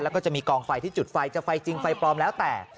แล้วก็จะมีกองไฟที่จุดไฟจะไฟจริงไฟปลอมแล้วแต่